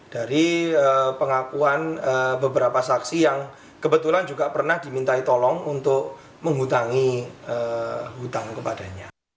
dari pengakuan beberapa saksi yang kebetulan juga pernah dimintai tolong untuk menghutangi hutang kepadanya